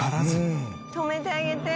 「止めてあげて」